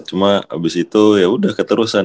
cuma abis itu ya udah keterusan